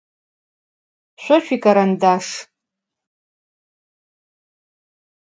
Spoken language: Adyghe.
Şso şsuikarandaşş.